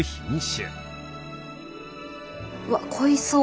うわっ濃いそう。